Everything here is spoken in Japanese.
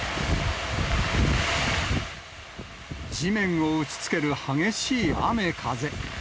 地面を打ちつける激しい雨、風。